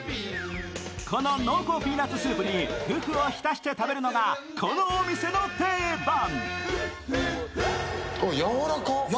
この濃厚ピーナッツスープにフフを浸して食べるのがこのお店の定番。